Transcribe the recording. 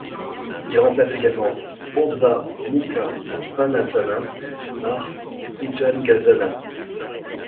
Il remplace également Ûrdhva Mukha Svanâsana par Bhujangâsana.